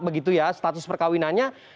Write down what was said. begitu ya status perkawinannya